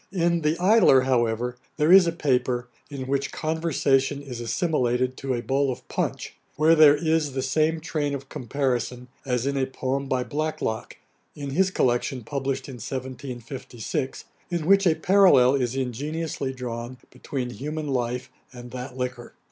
In The Idler, however, there is a paper, in which conversation is assimilated to a bowl of punch, where there is the same train of comparison as in a poem by Blacklock, in his collection published in 1756, in which a parallel is ingeniously drawn between human life and that liquor.